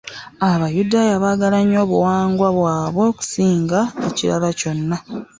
Abayudaaya baagala nnyo obuwangwa bwabwe okusinga ekirala kyonna.